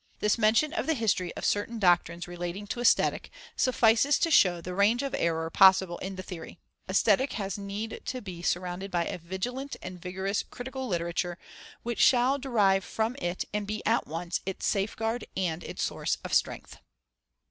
This mention of the history of certain doctrines relating to Aesthetic suffices to show the range of error possible in the theory. Aesthetic has need to be surrounded by a vigilant and vigorous critical literature which shall derive from it and be at once its safeguard and its source of strength.